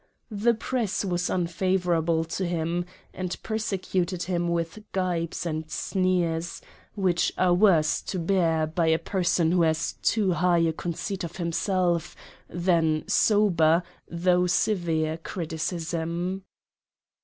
The press was unfavorable to him, and persecuted him with gibes and sneers, which arc worse to bear, by a PREFACE. 13 person who has too high a conceit of himself, than sober, though severe criticism.